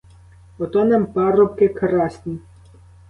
Ото нам парубки красні!